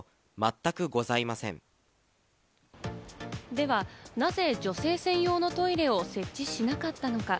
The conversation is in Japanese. では、なぜ女性専用のトイレを設置しなかったのか？